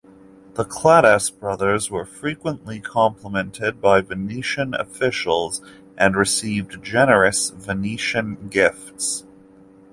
The Kladas brothers were frequently complimented by Venetian officials, and received generous Venetian gifts.